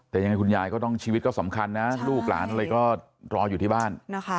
แต่ยังไงคุณยายก็ต้องชีวิตก็สำคัญนะลูกหลานอะไรก็รออยู่ที่บ้าน